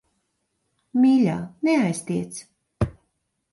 Mīļā, neaiztiec.